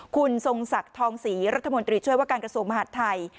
คุณทรงศักดิ์ทองศรีรัฐมนตรีช่วยว่าการกระทรวงมหาดไทย